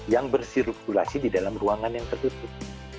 yang bersirkulasi di dalam ruangan yang tertutup